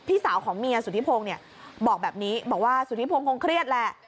สาวของเมียสุธิพงศ์เนี่ยบอกแบบนี้บอกว่าสุธิพงศ์คงเครียดแหละ